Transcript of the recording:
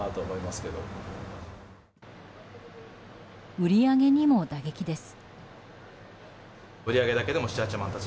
売り上げにも打撃です。